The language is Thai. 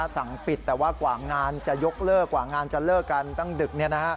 สั่งปิดแต่ว่ากว่างานจะยกเลิกกว่างานจะเลิกกันตั้งดึก